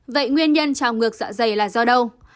vậy nguyên nhân trào ngược dạ dày là do đâu